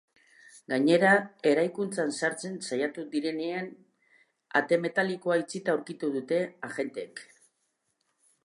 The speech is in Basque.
Gainera, eraikuntzan sartzen saiatu direnean ate metalikoa itxita aurkitu dute agenteek.